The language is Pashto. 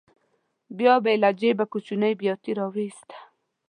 بیا به یې له جېبه کوچنۍ بیاتي راوویسته.